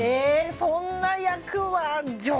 そんな役は。